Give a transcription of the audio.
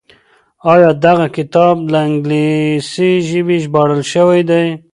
آيا دغه کتاب له انګليسي ژبې ژباړل شوی دی؟